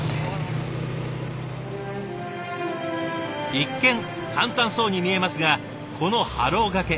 一見簡単そうに見えますがこのハロー掛け